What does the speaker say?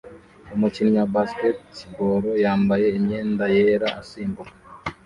Umukinnyi wa Basketball yambaye imyenda yera asimbuka